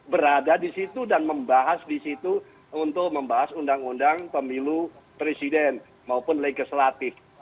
berada di situ dan membahas di situ untuk membahas undang undang pemilu presiden maupun legislatif